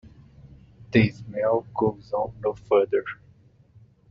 The smell goes on no further.